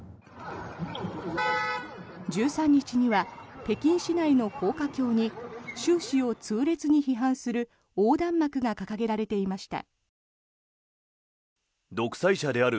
１３日には北京市内の高架橋に習氏を痛烈に批判する横断幕が掲げられていました。